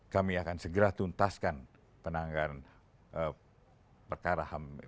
kami akan segera tuntaskan penanganan perkara hamil berat ini